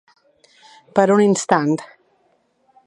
Per un instant.